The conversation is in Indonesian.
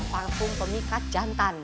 parfum pemikat jantan